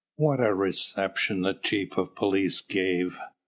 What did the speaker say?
What a reception the chief of police gave!